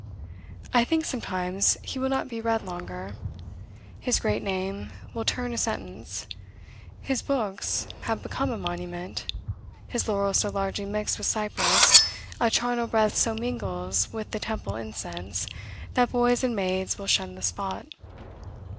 I think, sometimes, he will not be read longer. His great name will turn a sentence. His books have become a monument. His laurels so largely mixed with cypress, a charnel breath so mingles with the temple incense, that boys and maids will shun the spot.